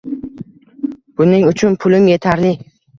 Buning uchun pulim yetarli